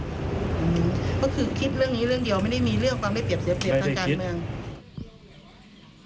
ก็คือคิดเรื่องนี้เรื่องเดียวไม่ได้มีเรื่องความได้เปรียบเสียเปรียบทางการเมือง